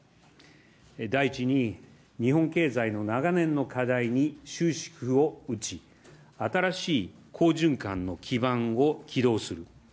第１に、日本経済の長年の課題に終止符を打ち、新しい好循環の基盤を起動する。